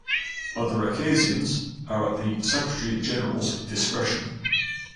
Other occasions are at the Secretary-General's discretion.